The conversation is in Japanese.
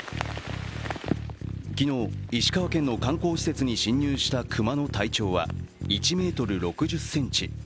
昨日、石川県の観光施設に侵入した熊の体長は１ｍ６０ｃｍ。